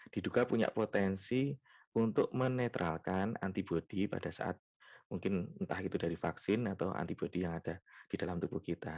diduga punya potensi untuk menetralkan antibody pada saat mungkin entah itu dari vaksin atau antibody yang ada di dalam tubuh kita